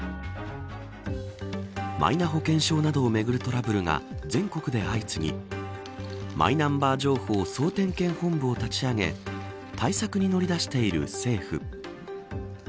マイナ保険証などをめぐるトラブルが全国で相次ぎマイナンバー情報総点検本部を立ち上げ対策に乗り出している政府。